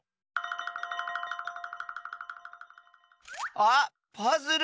あっパズル！